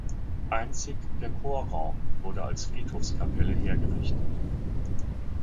Einzig der Chorraum wurde als Friedhofskapelle hergerichtet.